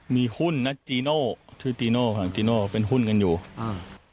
มีหุ้นนะจีโน่ชื่อจีโน่ของจีโน่เป็นหุ้นกันอยู่อ่า